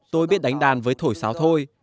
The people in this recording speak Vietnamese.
tôi biết đánh đàn với thổi sáo thôi